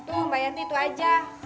tung pak yanti itu aja